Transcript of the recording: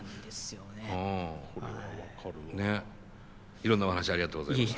いろんなお話ありがとうございました。